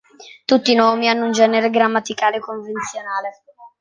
Tutti i nomi hanno un genere grammaticale convenzionale.